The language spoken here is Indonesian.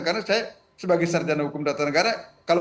karena saya sebagai sarjana hukum data negara